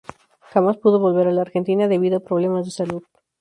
Jamás pudo volver a la Argentina debido a problemas de salud.